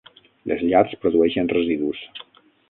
Les llars produeixen residus.